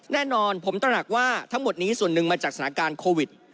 แน่นอนผมตระหนักว่าทั้งหมดนี้ส่วนหนึ่งมาจากสถานการณ์โควิด